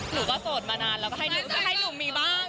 หนูก็โสดมานานแล้วก็ให้หนุ่มมีบ้าง